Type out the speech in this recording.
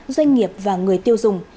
doanh nghiệp và người tiêu dùng